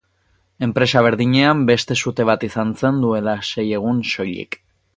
Enpresa berdinean beste sute bat izan zen duela sei egun soilik.